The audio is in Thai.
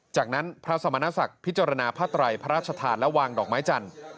จากนั้นพระสมณศักดิ์พิจารณาผ้าไตรพระราชทานและวางดอกไม้จันทร์